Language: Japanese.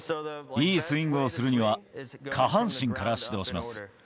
いいスイングをするには下半身から始動します。